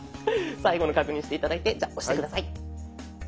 最後の確認して頂いてじゃあ押して下さい。